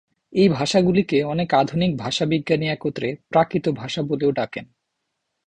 এই ভাষাগুলিকে অনেক আধুনিক ভাষাবিজ্ঞানী একত্রে প্রাকৃত ভাষা বলেও ডাকেন।